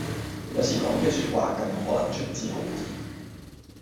有時講嘅說話更可能出自好意